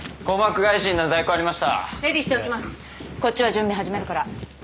こっちは準備始めるから。